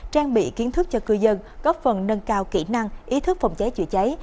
trang bị kiến thức cho cư dân góp phần nâng cao kỹ năng ý thức phòng cháy chữa cháy